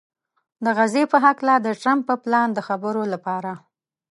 د غزې په هکله د ټرمپ پر پلان د خبرو لپاره